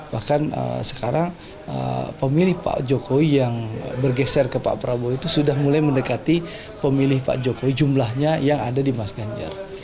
bahkan sekarang pemilih pak jokowi yang bergeser ke pak prabowo itu sudah mulai mendekati pemilih pak jokowi jumlahnya yang ada di mas ganjar